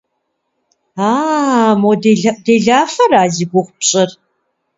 А-а, мо делэӏуделафэра зи гугъу пщӏыр?